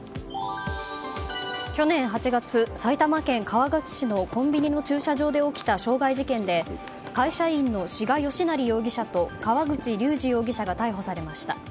去年８月、埼玉県川口市のコンビニの駐車場で起きた傷害事件で会社員の志賀亮徳容疑者と川口竜嗣容疑者が逮捕されました。